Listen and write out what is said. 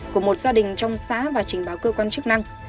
của một gia đình trong xã và trình báo cơ quan chức năng